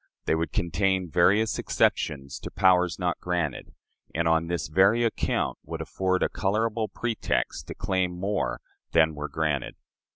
They would contain various exceptions to powers not granted, and on this very account would afford a colorable pretext to claim more than were granted.